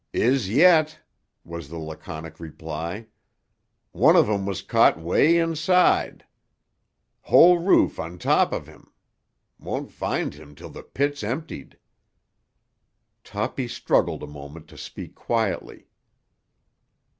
"Is yet," was the laconic reply. "One of 'em was caught 'way inside. Whole roof on top of him. Won't find him till the pit's emptied." Toppy struggled a moment to speak quietly.